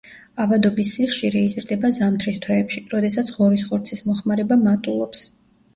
ავადობის სიხშირე იზრდება ზამთრის თვეებში, როდესაც ღორის ხორცის მოხმარება მატულობს.